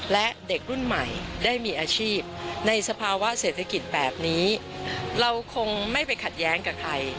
และเด็กรุ่นใหม่ได้มีอาชีพในสภาวะเศรษฐกิจแบบนี้เราคงไม่ไปขัดแย้งกับใคร